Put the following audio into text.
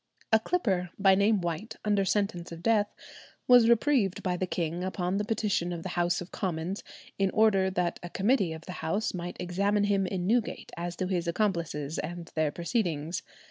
A clipper, by name White, under sentence of death, was reprieved by the king upon the petition of the House of Commons in order that a committee of the House might examine him in Newgate as to his accomplices and their proceedings.